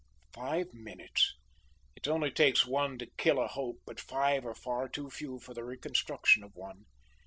Five minutes! It only takes one to kill a hope but five are far too few for the reconstruction of one.